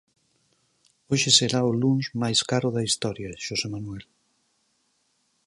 Hoxe será o luns máis caro da historia, Xosé Manuel.